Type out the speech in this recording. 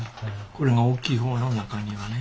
これが大きい方の中庭ね。